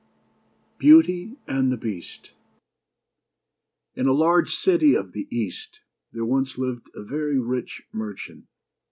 BEAUTY AND THE BEAST [N a large city of the East, there once lived a very rich merchant.